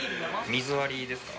水割りですか？